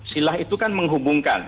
silah itu kan menghubungkan